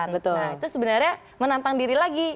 betul itu sebenarnya menantang diri lagi